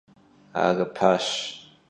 Arıpaş!